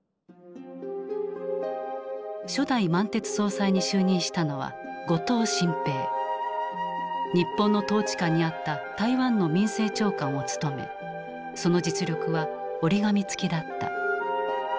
初代満鉄総裁に就任したのは日本の統治下にあった台湾の民政長官を務めその実力は折り紙付きだった。